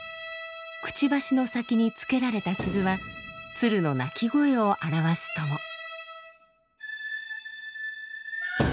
くちばしの先につけられた鈴は鶴の鳴き声を表すとも。